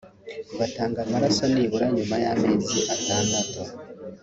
batanga amaraso nibura nyuma y’amezi atandatu